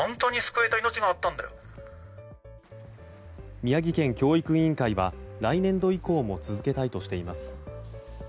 宮城県教育委員会は来年度以降も続けたいとしています。